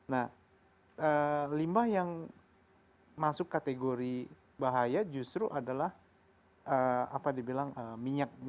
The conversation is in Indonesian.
nah limbah yang masuk kategori bahaya justru adalah apa dibilang minyak